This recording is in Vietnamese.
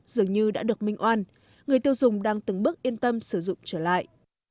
dường như đã được minh oan người tiêu dùng đang từng bước yên tâm sử dụng trở lại